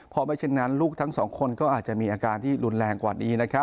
เพราะไม่เช่นนั้นลูกทั้งสองคนก็อาจจะมีอาการที่รุนแรงกว่านี้